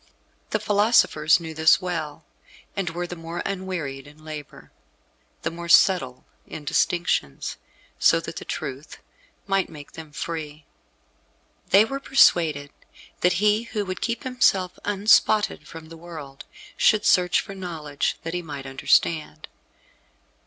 The philosophers knew this well, and were the more unwearied in labour, the more subtle in distinctions, so that the truth might make them free. They were persuaded that he who would keep himself unspotted from the world should search for knowledge, that he might understand.